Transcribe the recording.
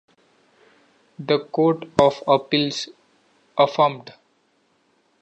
The Court of Appeals affirmed.